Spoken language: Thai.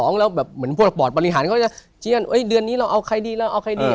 เพราะว่าแบบพวกปอนดปริหารก็เดือนนี้เราเอาใครดีเราเอาใครดี